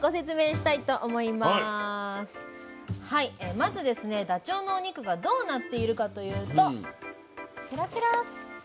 まずですねダチョウのお肉がどうなっているかというと。